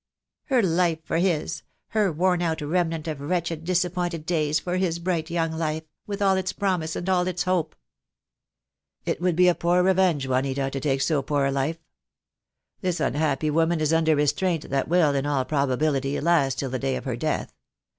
Her life for his, her worn out remnant of wretched, disappointed days for his bright young life, with all its promise and all its hope." "It would be a poor revenge, Juanita, to take so poor a life. This unhappy woman is under restraint that will, in all probability, last till the day of her death.